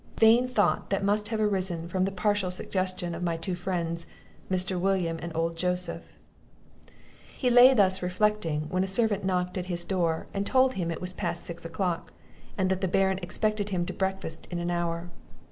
Vain thought, that must have arisen from the partial suggestion of my two friends, Mr. William and old Joseph." He lay thus reflecting, when a servant knocked at his door, and told him it was past six o'clock, and that the Baron expected him to breakfast in an hour.